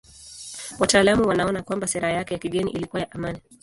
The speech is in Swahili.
Wataalamu wanaona kwamba sera yake ya kigeni ilikuwa ya amani.